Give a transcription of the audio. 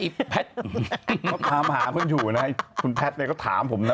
เขาตามหาคนอยู่นะคุณแพทย์เลยก็ถามผมนะ